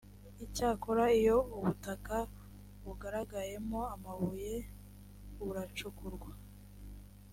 icyakora iyo ubutaka bugaragayemo amabuye buracukurwa